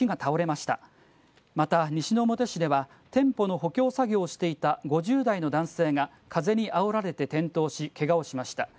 また西之表市では、店舗の補強作業をしていた５０代の男性が、風にあおられて転倒し、けがをしました。